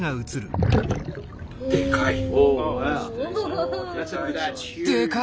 でかい！